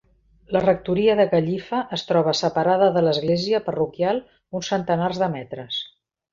La rectoria de Gallifa es troba separada de l'església parroquial uns centenars de metres.